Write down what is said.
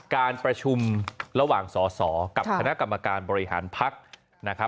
การประชุมระหว่างสสกับคณะกรรมการบริหารพักษ์